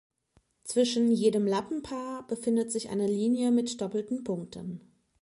Zwischen jedem Lappenpaar befindet sich eine Linie mit doppelten Punkten.